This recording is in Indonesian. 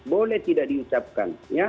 boleh tidak diucapkan